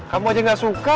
kamu aja gak suka